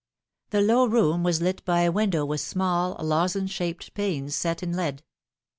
The low room was lit by a window with small lozenge shaped panes set in lead.